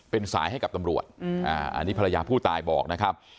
เป็นสายให้กับตำรวจอันนี้ภรรยาผู้ตายบอกนะครับ